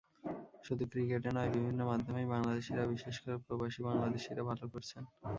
শুধু ক্রিকেটে নয়, বিভিন্ন মাধ্যমেই বাংলাদেশিরা, বিশেষ করে প্রবাসী বাংলাদেশিরা ভালো করছেন।